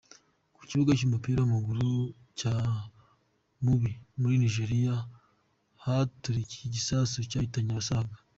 Ku kibuga cy’umupira w’amaguru cya Mubi muri Nigeriya haturikiye igisasu cyahitanye abasaga .